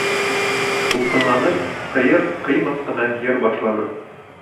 Тулҡынланып, ҡыйыр-ҡыймаҫ ҡына йыр башланы.